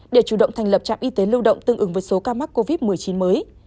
để chủ động thành lập trạm y tế lưu động tương ứng với số ca mắc covid một mươi chín mới